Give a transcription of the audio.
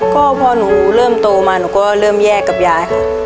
ก็พอหนูเริ่มโตมาหนูก็เริ่มแยกกับยายค่ะ